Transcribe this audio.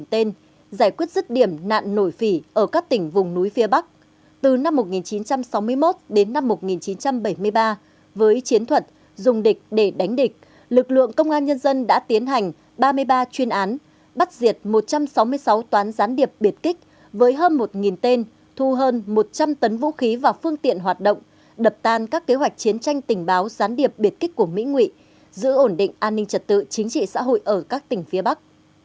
trong trận nổi phỉ ở các tỉnh vùng núi phía bắc từ năm một nghìn chín trăm sáu mươi một đến năm một nghìn chín trăm bảy mươi ba với chiến thuật dùng địch để đánh địch lực lượng công an nhân dân đã tiến hành ba mươi ba chuyên án bắt diệt một trăm sáu mươi sáu toán gián điệp biệt kích với hơn một tên thu hơn một trăm linh tấn vũ khí và phương tiện hoạt động đập tan các kế hoạch chiến tranh tình báo gián điệp biệt kích của mỹ nghị giữ ổn định an ninh trật tự chính trị xã hội ở các tỉnh phía bắc